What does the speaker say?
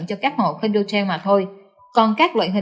cho các hộ kindertel mà thôi